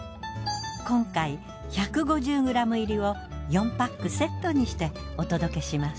今回１５０ｇ入りを４パックセットにしてお届けします。